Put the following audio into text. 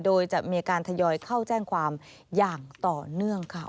โดยจะมีการทยอยเข้าแจ้งความอย่างต่อเนื่องค่ะ